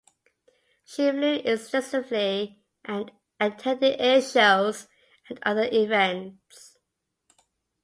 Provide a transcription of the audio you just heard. She flew extensively and attended air shows and other events.